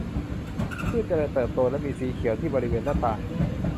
พืชเจริญเติบโตและมีสีเขียวที่บริเวณหน้าต่าง